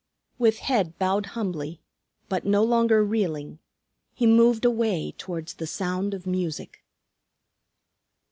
With head bowed humbly, but no longer reeling, he moved away towards the sound of music.